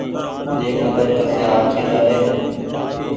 ۮي خبر ڪسي حآل ڇي تآري